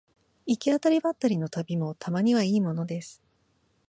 行き当たりばったりの旅もたまにはいいものです